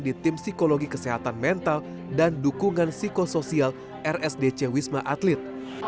di tim psikologi kesehatan mental dan dukungan psikosoial rsdc wisma atlet